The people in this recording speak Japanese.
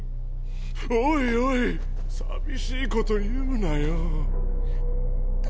おいおい寂しいこと言うなよ。